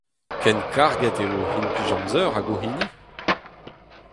Ken karget eo o implij-amzer hag hoc'h hini !